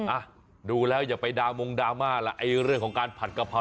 อ่ะดูแล้วอย่าไปดาวมงดราม่าล่ะไอ้เรื่องของการผัดกะเพรา